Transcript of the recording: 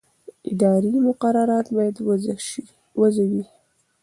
اداري مقررات باید واضح وي.